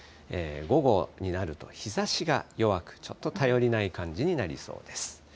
午後になると日ざしが弱く、ちょっと頼りない感じになりそうです。